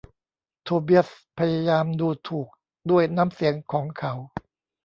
โทเบียสพยายามดูถูกด้วยน้ำเสียงของเขา